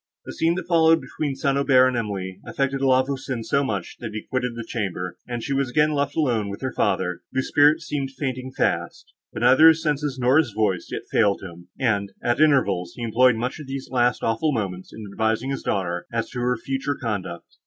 The scene, that followed between St. Aubert and Emily, affected La Voisin so much, that he quitted the chamber, and she was again left alone with her father, whose spirits seemed fainting fast, but neither his senses, nor his voice, yet failed him; and, at intervals, he employed much of these last awful moments in advising his daughter, as to her future conduct.